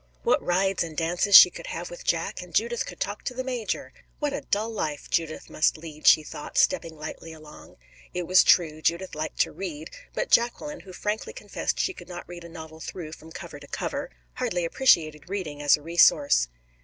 What rides and dances she could have with Jack, and Judith could talk to the major! "What a dull life Judith must lead!" she thought, stepping lightly along. It was true, Judith liked to read; but Jacqueline, who frankly confessed she could not read a novel through from cover to cover, hardly appreciated reading as a resource.